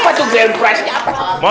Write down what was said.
apa tuh grand prize nya apa tuh